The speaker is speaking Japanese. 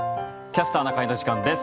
「キャスターな会」の時間です。